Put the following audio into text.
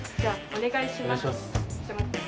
お願いします！